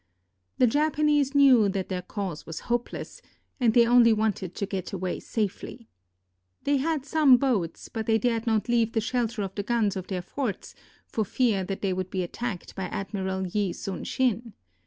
The Japanese knew that their cause was hopeless, 273 KOREA and they only wanted to get away safely. They had some boats, but they dared not leave the shelter of the guns of their forts, for fear that they would be attacked by Admiral Yi Sun sin.